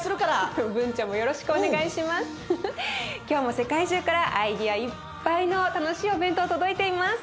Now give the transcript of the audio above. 今日も世界中からアイデアいっぱいの楽しいお弁当届いています。